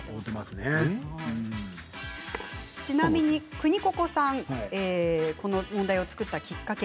くにここさんこの問題を作ったきっかけ